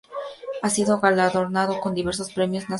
Ha sido galardonado con diversos premios nacionales.